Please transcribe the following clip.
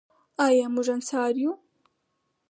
آیا موږ انصار یو؟